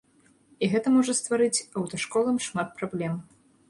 І гэта можа стварыць аўташколам шмат праблем.